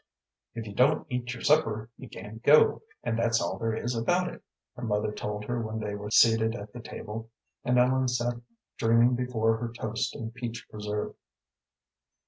"If you don't eat your supper you can't go, and that's all there is about it," her mother told her when they were seated at the table, and Ellen sat dreaming before her toast and peach preserve.